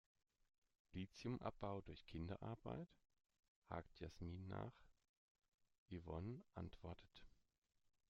"Lithiumabbau durch Kinderarbeit?", hakt Yasmin nach. Yvonne antwortet.